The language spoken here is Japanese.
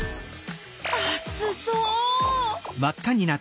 熱そう！